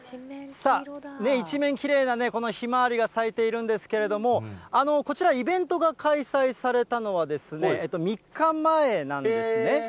一面きれいなこのひまわりが咲いているんですけれども、こちら、イベントが開催されたのは３日前なんですね。